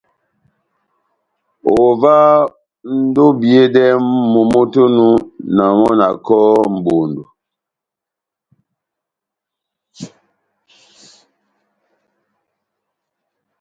Ová ondi obiyedɛ momó tɛ́h onu, na mɔ́ na kɔ́hɔ́ mʼbondo.